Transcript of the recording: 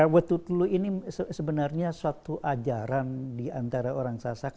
wetutelu ini sebenarnya suatu ajaran diantara orang sasak